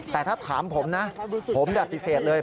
แต่ถ้าถามผมนะผมปฏิเสธเลย